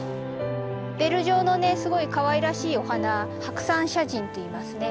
ベル状のねすごいかわいらしいお花ハクサンシャジンといいますね。